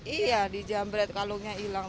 iya di jambret kalungnya hilang